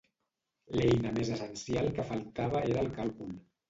L'eina més essencial que faltava era el càlcul.